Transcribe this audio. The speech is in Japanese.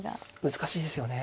難しいですよね。